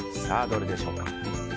どれでしょうか。